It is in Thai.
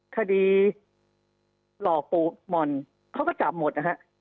คดีหลอกปู่หม่อนเขาก็จับหมดนะฮะ